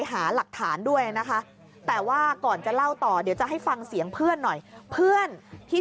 ดูมันลกแบบว่าลนพี่มีอะไรอย่างนี้